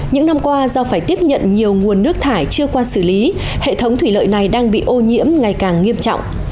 những năm qua do phải tiếp nhận nhiều nguồn nước thải chưa qua xử lý hệ thống thủy lợi này đang bị ô nhiễm ngày càng nghiêm trọng